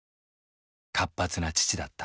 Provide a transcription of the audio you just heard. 活発な父だった。